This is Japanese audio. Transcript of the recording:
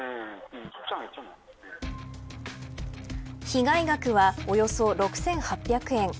被害額は、およそ６８００円。